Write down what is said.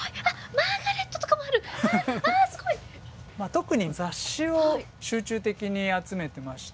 特に雑誌を集中的に集めてまして。